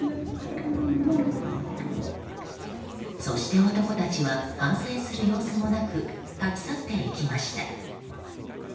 そして男たちは反省する様子もなく立ち去っていきました。